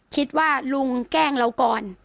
คิดว่าลุงแกล้งเราก่อน